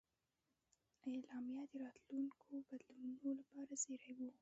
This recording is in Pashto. اعلامیه د راتلونکو بدلونونو لپاره زېری و.